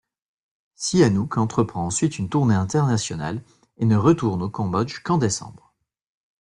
Sihanouk entreprend ensuite une tournée internationale, et ne retourne au Cambodge qu'en décembre.